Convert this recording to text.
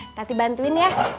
ntar dibantuin ya